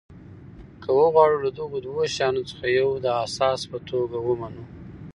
که وغواړو له دغو دوو شیانو څخه یو د اساس په توګه ومنو.